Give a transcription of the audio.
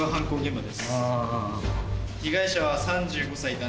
被害者は３５歳男性。